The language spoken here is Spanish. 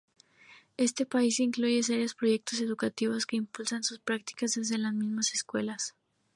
Este país incluye serios proyectos educativos que impulsan su práctica desde las mismas escuelas.